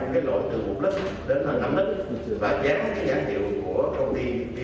cái lỗi từ một lít đến là năm lít và dán cái nhãn hiệu của công ty diogoma vào cái hạ tập của cái chai